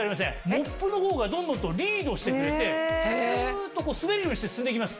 モップの方がドンドンとリードしてくれてスっと滑るようにして進んでいきます。